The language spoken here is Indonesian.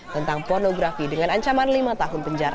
tentang pornografi dengan ancaman lima tahun penjara